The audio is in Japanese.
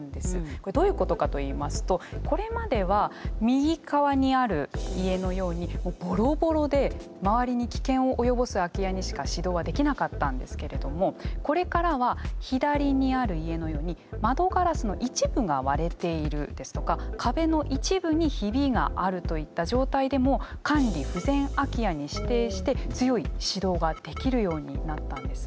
これどういうことかといいますとこれまでは右側にある家のようにボロボロで周りに危険を及ぼす空き家にしか指導はできなかったんですけれどもこれからは左にある家のように窓ガラスの一部が割れているですとか壁の一部にヒビがあるといった状態でも管理不全空き家に指定して強い指導ができるようになったんです。